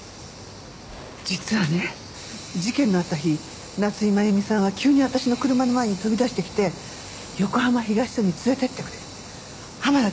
実はね事件のあった日夏井真弓さんは急に私の車の前に飛び出してきて横浜東署に連れていってくれ浜田刑事に会いたいって言ったの。